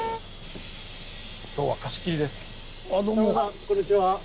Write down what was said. こんにちは。